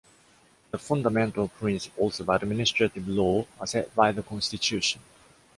The fundamental principles of administrative law are set by the Constitution.